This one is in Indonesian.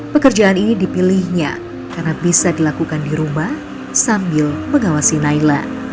pekerjaan ini dipilihnya karena bisa dilakukan di rumah sambil mengawasi naila